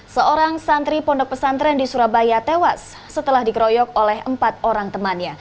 seorang santri pondok pesantren di surabaya tewas setelah dikroyok oleh empat orang temannya